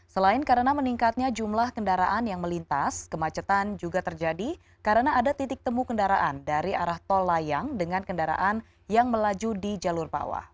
selain karena meningkatnya jumlah kendaraan yang melintas kemacetan juga terjadi karena ada titik temu kendaraan dari arah tol layang dengan kendaraan yang melaju di jalur bawah